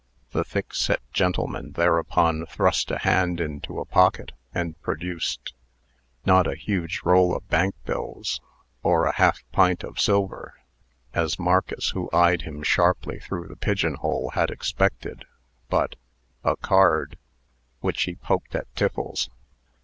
The thick set gentleman thereupon thrust a hand into a pocket, and produced not a huge roll of bank bills, or a half pint of silver, as Marcus, who eyed him sharply through the pigeon hole, had expected, but a card, which he poked at Tiffles.